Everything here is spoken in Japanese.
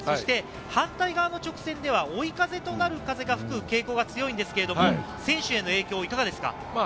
反対側の直線では追い風となる風が吹く傾向が強いんですけど、選手への影響はいかがですか？